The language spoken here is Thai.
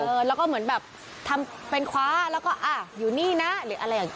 แล้วก็เหมือนแบบทำเป็นคว้าแล้วก็อ่ะอยู่นี่นะหรืออะไรอย่างนี้